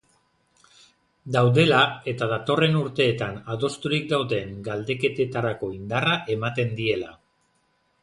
Daudela eta datorren urteetan adosturik dauden galdeketetarako indarra ematen diela.